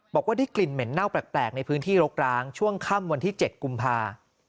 บอกว่าได้กลิ่นเหม็นเน่าแปลกในพื้นที่รกร้างช่วงค่ำวันที่๗กุมภา